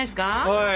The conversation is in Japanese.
はい！